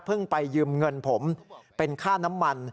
ไปยืมเงินผมเป็นค่าน้ำมัน